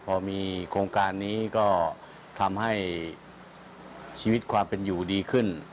พอมีโครงการนี้ก็ทำให้ชีวิตความเป็นอยู่ดีขึ้น